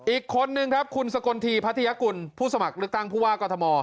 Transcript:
อีกคนนึงครับคุณสกลทีพัทยากุลผู้สมัครเลือกตั้งผู้ว่ากรทม